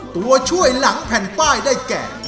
ตัวช่วยหลังแผ่นป้ายได้แก่